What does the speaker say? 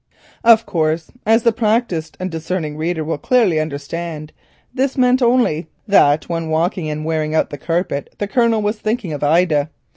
Of course, as the practised and discerning reader will clearly understand, this meant only that when walking and wearing out the carpet the Colonel was thinking of Ida.